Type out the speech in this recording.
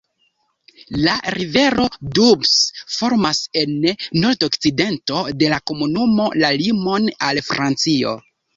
La rivero Doubs formas en nordokcidento de la komunumo la limon al Francio.